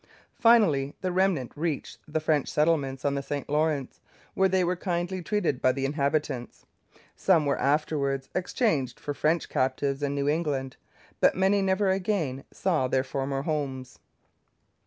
Finally the remnant reached the French settlements on the St Lawrence, where they were kindly treated by the inhabitants. Some were afterwards exchanged for French captives in New England, but many never again saw their former homes.